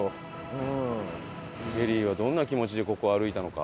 ペリーはどんな気持ちでここを歩いたのか。